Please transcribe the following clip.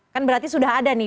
kan berarti sudah ada nih